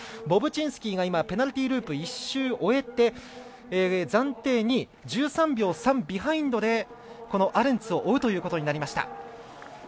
ボブチンスキーがペナルティーループを終えて暫定２位、１３秒３ビハインドでこのアレンツを追うということになりました。